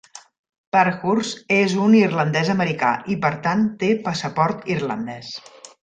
Parkhurst és un irlandès.americà i, per tant, té passaport irlandès.